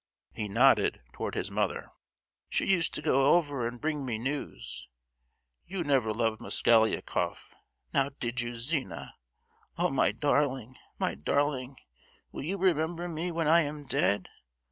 (he nodded towards his mother). "She used to go over and bring me news. You never loved Mosgliakoff—now did you, Zina? Oh, my darling, my darling, will you remember me when I am dead?